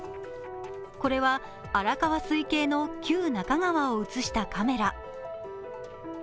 これは荒川水系の旧中川を映したカメラ。